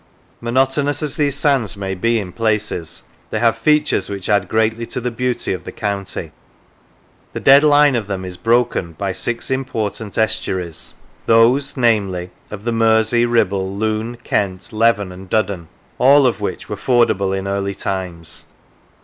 Monotonous as these sands may be in places, they have features which add greatly to the beauty of the county. The dead line of them is broken by six important estuaries, those, namely, of the Mersey, Kibble, Lune, Kent, Leven, and Duddon, all of which were fordable in early times.